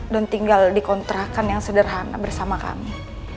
dan tinggal di kontrakan yang sederhana bersama kami